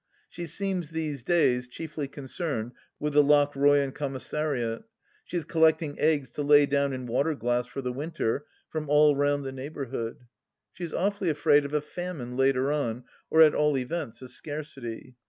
She seems, these days, chiefly concerned with the Lochroyan commissariat. She is collecting eggs to lay down in water glass for the winter, from all round the neighbour hood. She is awfully afraid of a famine later on, or at all events a scarcity.